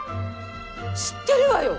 知ってるわよ！